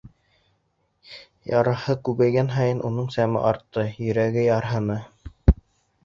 Яраһы күбәйгән һайын, уның сәме артты, йөрәге ярһыны.